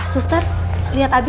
kalau mama gak akan mencari